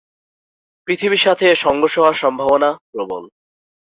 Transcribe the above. পৃথিবীর সাথে এর সংঘর্ষ হওয়ার সম্ভাবনা প্রবল।